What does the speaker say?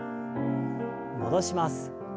戻します。